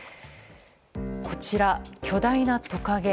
こちら、巨大なトカゲ。